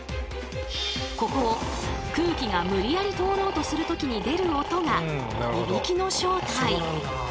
ここを空気が無理やり通ろうとする時に出る音がいびきの正体。